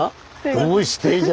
どうしてじゃ？